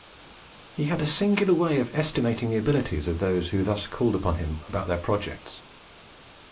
He had a singular way of estimating the abilities of those who thus called upon him about their projects.